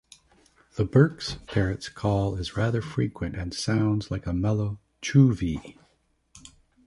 The Bourke's parrots call is rather frequent and sounds like a mellow 'chu-vee'.